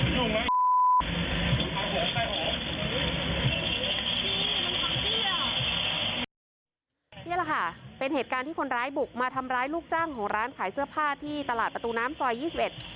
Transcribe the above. นี่แหละค่ะเป็นเหตุการณ์ที่คนร้ายบุกมาทำร้ายลูกจ้างของร้านขายเสื้อผ้าที่ตลาดประตูน้ำซอยยี่สิบเอ็ด